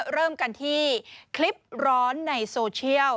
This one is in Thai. เริ่มกันที่คลิปร้อนในโซเชียล